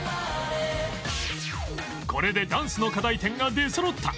これでダンスの課題点が出そろった